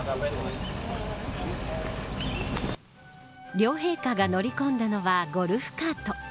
両陛下が乗り込んだのはゴルフカート。